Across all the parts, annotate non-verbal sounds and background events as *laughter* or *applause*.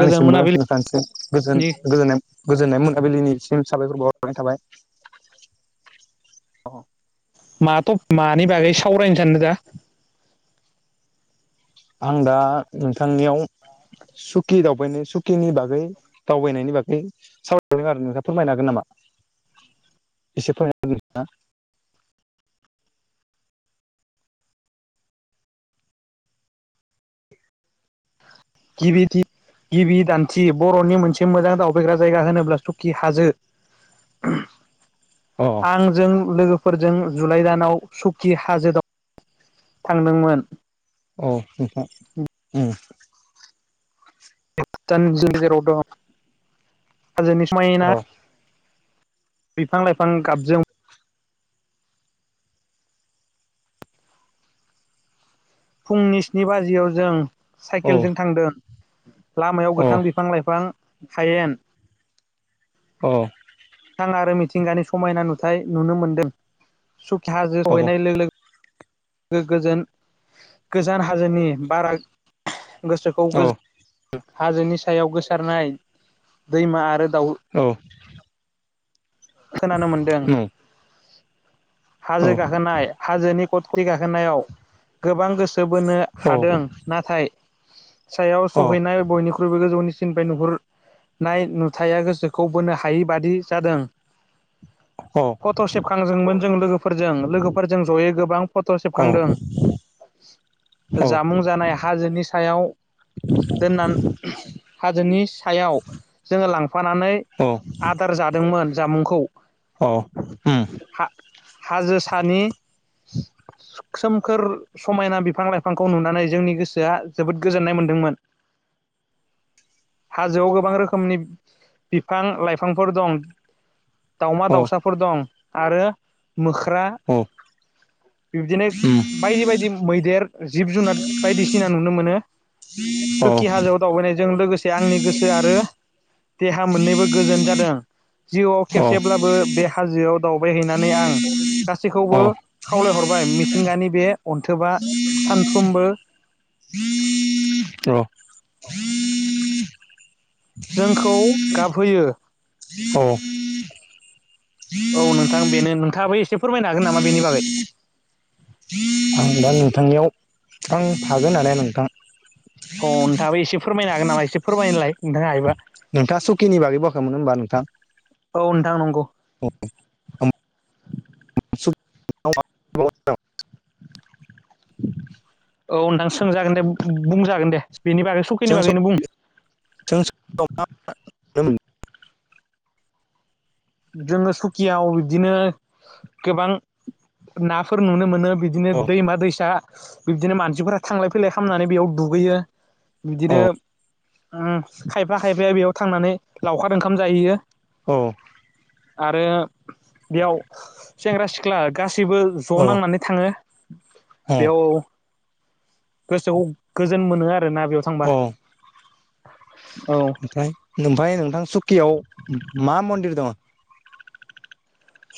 गोजोन आंनिसिमबो मोनाबिलिनि नोंथांनिसिम गोजोन गोजोननाय गोजोनाय मोनो मोनाबिलिनिसिम साबायखर बावहरनाय थाबाय‌ । माथो मानि बागै सावरायनो सानदों दा? *inaudible* आं दा नोंथांनियाव सुखि दावबायनाय सुखिनि बागै दावबायनायनि बागै सावरायदों आरो नोंथांआ फोरमायनो हागोन नामा? *inaudible* इसे फोरमाय जागोन ना? गिबिथि गिबि दान्थि बर'नि मोनसे मोजां दावबायग्रा जायगा होनोब्ला सुकि हाजो होगोन आंजों लोगो फोरजों जुलाइ दानाव सुकि हाजोआव थांदोंमोन । औ नोंथां उम जोंनि *unintelligible* गेजेराव दं हाजोनि औ समायना बिफां लाइफां गाबजों फुंनि स्नि बाजियाव जों साइकेलजों थांदों । लामायाव गोथां बिफां लाइफां हायेन औ । गोथां आरो मिथिंगानि समायना नुथाय नुनो मोन्दों । सुकि हाजो सहैनाय लोगो लोगो गोजोन गोजान हाजोनि बारा गोसोखौ गोजोनहोयो हाजोनि सायाव गोसारनाय दैमा आरो दाउ औ । खोनानो मोनदों हाजो गाखोनाय हाजोनि कथ कथि गाखोनायाव गोबां गोसो सोबोनो औ हादों नाथाय सायाव औ सहैनाय बयनिख्रुइबो गोजौनि सिन नुहुरनाय नुथाया गोसोखौ बोनो हायि बादि जादों औ । फट' सेबखांदोंमोन जों लोगोफोरजों लोगोफोरजों ज'यै गोबां फट' औ सेबखांदों । जामुं जानाय हाजोनि सायाव दोनान हाजोनि सायाव जोङो लांफानानै आदार जादोंमोन जामुंखौ । अ हुम । हाजो सानि सोमखोर समायना बिफां लाइफांखौ नुनानै जोंनि गोसोआ जोबोद गोजोननाय मोनदोंमोन । *unintelligible* *inaudible* हाजोआव गोबां रोखोमनि बिफां लाइफांफोर दं! दाावमा औ दाउसाफोर दं आरो- मोख्रा औ अ बिब्दिनो बायदि बायदि मैदेर जिब जुनार बायदिसिना नुनो मोनो सुखि हाजोआव दावबायनायजों लोगोसे आंनि गोसो आरो देहा मोननैबो गोजोन जादों! जिउआव औ उम औ उम औ खेबसेब्लाबो बे हाजोआव दावबाय हैैनानै आं गासैखौबो खावलायहरबाय- मिथिंगानि बे अन्थोबा सानफ्रोमबो र औ- जोंखौ गाबहोयो औ- औ नोंथां बेनो नोंथाङाबो एसे फोरमायनो हागोन नामा बेनि बागै *unintelligible* *inaudible* आं दा नोंथांनियाव आं थागोन माने नोंथां! औ नोंथाङाबो एसे फोरमायनो हागोन नामा एसे फोरमायना होलाय नोंथाङा हायोबा? नोंथाङा सुकिनि बागै बुंङाखैमोन होनबा नोंथां! औ नोंथां नंगौ! औ औ *unintelligible* *inaudible* औ नोंथां सोंजागोन दे बुंजागोन दे- बेनि बागै सकिनि बागैनो बुं- ओं- जोङो सुकियाव बिदिनो गोबां नाफोर नुनो मोनो! बिदिनो दैमा दैसा बिदिनो मानसिफोरा थांलाय फैलाय खालामनानै बेयाव दुगैयो! बिदिनो औम खायफा खायफाया बेयाव थांनानै लावखार ओंखाम जाहैयो! औ- आरो बेयाव सेंग्रा सिख्ला गासैबो ज' औ नांनानै थाङो! बेयाव गोसो आव गोजोन मोनो आरो- बेयाव थांबा! औ औ ओमफ्राय ओमफ्राय नोंथां सुकियाव मा मन्दिर दङ?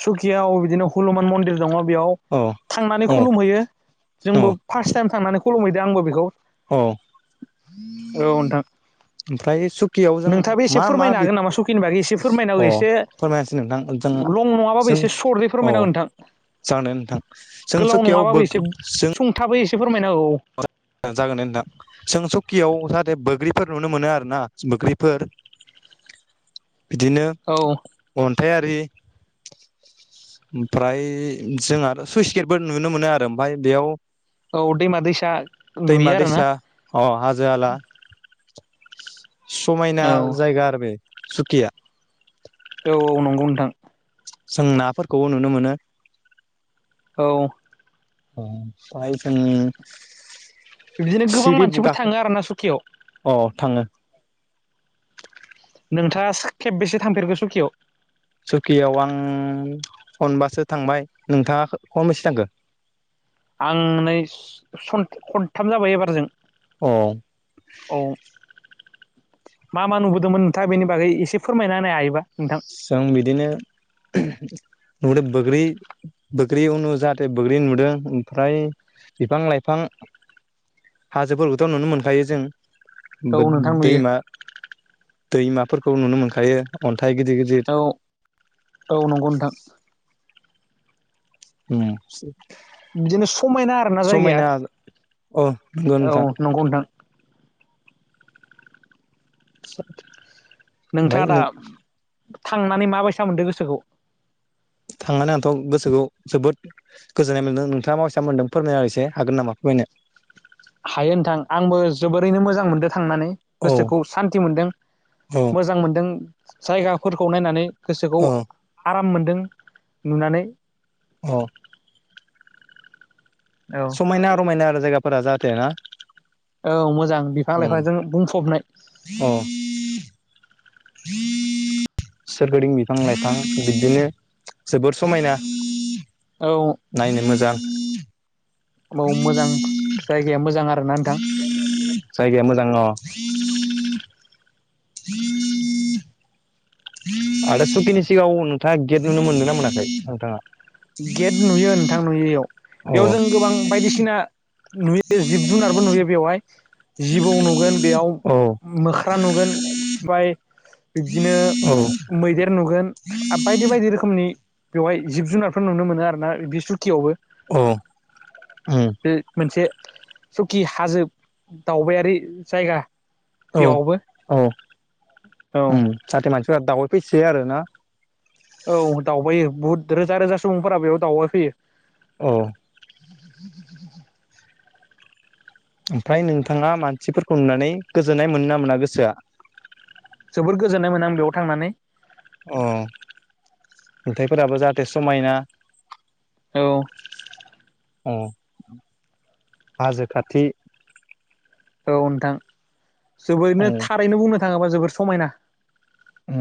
सुखियायाव बिदिनो हलुमान मन्दिर दङ! बेयाव औ थांनानै औ खुलुमहैयो जोंबो फार्स्ट टाइम थांनानै खुलुमहैदो आंबो बेखौ- अ- औ नोंथां- ओमफ्राय सुक- नोंथाङाबो एसे फोरमायनो हागोन नामा सुखिनि बागै एसे अ फोरमायनाहो एसे फोरमायासै नोंथां जों लं नङा बाबो! जों इसे सर्त औ फोरमायना हो नोंथां जागोन दे नोंथां जों गोलाव सकियाव नङाबाबो इसे जों सुंथाबै इसे फोरमायना होव- जागोन दे नोंथां जों सकियाव जाहाथे बोग्रिफोर नुनो मोनो आरोना बोग्रिफोर- *unintelligible* बिदिनो औ औ अन्थाइआरि- ओमफ्राय जोंहा आरो सुइस गेटबो नुनो मोनो आरो ओमफ्राय बेयाव- औ दैमा दैसा नुयो दैमा आरो ना- दैसा अ हाजो हाला समायना जायगा आरो बे सुकिया! औ औ नंगौ नोथां जों नाफोरखौबो नुनो मोनो। औ अ बहाय जोंनि बिदिनो गोबां सिरि मानसिफोर बुगाखो थाङो आरोना सुकियाव अ थाङो नोंथाङा खेब बेसे थांफेरगो सुकियाव सुकियाव आं खनबासो थांबाय नोंथाङा खनबसे थांखो आं नै खनथाम जाबाय एबारजों अ औ मा मा नुबो दोंमोन नोंथाङ बेनि बागै एसे फोरमायना होनो हायोबा नोंथां जों बिदिनो नदो बोग्रि बोग्रि उनु जाहाथे बग्रि नुदों ओमफ्राय बिफां लाइफां हाजोफोरखौथ' नुनो मोनखायो जों औ नोंथां नुयो दैमा दैमाफोरखौ नुनो मोनखायो अन्थाइ गिदिर गिदिर औ औ नंगौ नोंथां हम बिदिनो समायना आरोना जायगाया अ नंगौ औ नोंथां नंगौ नोंथां *unintelligible* ओफाय नोंथाङा दा नों थांनानै माबायसा मोनदों गोसोखौ थांनानै आंथ' गोसोखौ जोबोद गोजोननाय मोनदों नोंथाङा माबसेब मोनदों फोरमायना एसे हागोन नामा फोरमायनो हायो नोंथां आंबो जोबोरैनो मोजां मोनदों थांनानै औ गोसोखौ सान्थि मोनदों औ मोजां मोनदों जायगाफोरखौ नायनानै गोसोखौ औ आराम मोनदों नुनानै अ औ समायना रमायना आरो जायगाफोरा जाहाथे ना औ मोजां बिफां उम लाइफां जों बुंफबनाय अ सोरगिदिं बिफां लाइफां बिबदिनो जोबोर समायना औ नायनो मोजां बाव मोजां जायगाया मोजां आरोना नोंथां जायगाया मोजां न आरो सुकिनि सिगाङाव नोंथाङा गेट नुनो मोनगोन ना मोनाखै नोंथाङा गेट नुयो नोंथां नुयोयाव अ बेयाव जों गोबां बायदिसिना नुयो जिब जुनारबो नुयो बेवहाय जिबौ नुगोन बेयाव औ मोख्रा नुगोन ओफ्राय बिदिनो औ मैदेर नुगोन बायदि बायदि रोखोमनि बेवहाय जिब जुनारफोर नुनो मोनो आरोना बि सुखियावबो औ उम बे मोनसे सखि हाजो दावबायारि जायगा औ बेयावबो औ *unintelligible* *inaudible* उम जाहाथे मानसिफोरा दावै फैसै आरो ना बुहुत रोजा रोजा सुबुंफोरा बेयाव दावउबाय फैयो औ *unintelligible* *inaudible* ओमफ्राय नोंथाङा मानसिफोरखौ नुनानै गोजोननाय मोनो ना मोना गोसोआ जोबोर गोजोननाय मोनो आं बेयाव थांनानै। अ नुथायाइफोराबो जाहाथे समायना औ अ हाजो खाथि औ नोंथां औ जोबोरैनो थारैनो बुंनो थाङोबा जोबोर समायना। औ।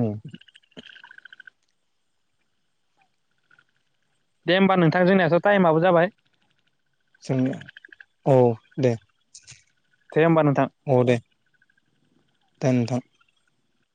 दे होमबा नोंथां जोंनिस' टाइमाबो जाबाय जोंनि औ दे। दे होमबा नोंथां। औ दे दोन नोंथां।